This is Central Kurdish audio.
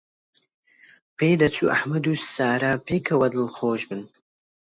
پێدەچوو ئەحمەد و سارا پێکەوە دڵخۆش بن.